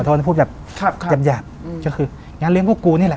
อ่าขอโทษที่พูดแบบครับแยบแยบอืมคือคืองานเลี้ยงพวกกูนี่แหละ